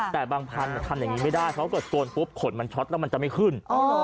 แต่บางพันธุ์ทำอย่างนี้ไม่ได้เพราะเกิดโกนปุ๊บขนมันช็อตแล้วมันจะไม่ขึ้น